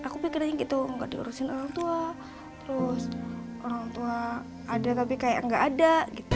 kira kira gitu gak diurusin orang tua terus orang tua ada tapi kayak gak ada